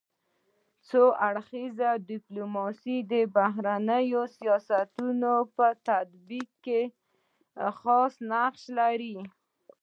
څو اړخیزه ډيپلوماسي د بهرني سیاست په تطبیق کي خاص نقش لري.